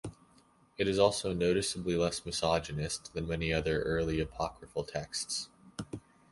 It is also noticeably less misogynist than many other early apocryphal texts.